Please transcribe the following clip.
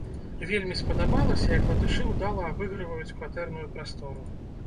Вельмі спадабалася, як латышы ўдала абыгрываюць кватэрную прастору.